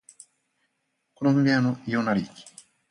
子供部屋の異様な冷気